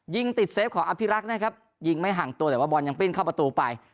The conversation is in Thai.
ยิงติดเซฟของอภิรักษ์นะครับยิงไม่ห่างตัวแต่ว่าบอลยังปิ้นเข้าประตูไป